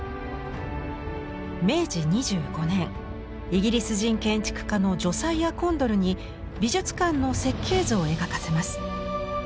明治２５年イギリス人建築家のジョサイア・コンドルに美術館の設計図を描かせます。